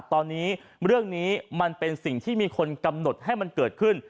ตอนนี้เรื่องนี้มันเป็นสิ่งที่มีคนกำหนดให้มันเกิดขึ้น